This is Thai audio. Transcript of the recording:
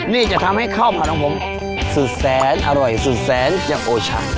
นี่จะทำให้ข้าวผัดของผมสุดแสนอร่อยสุดแสนอย่างโอชะ